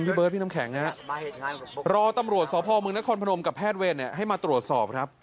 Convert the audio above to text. เบิร์ดพี่น้ำแข็งรอตำรวจสพมนครพนมกับแพทย์เวรให้มาตรวจสอบครับ